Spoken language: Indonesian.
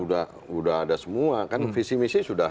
sudah ada semua kan visi misi sudah